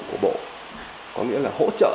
của bộ có nghĩa là hỗ trợ